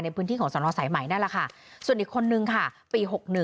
ในพื้นที่ของสนสายใหม่นั่นแหละค่ะส่วนอีกคนนึงค่ะปี๖๑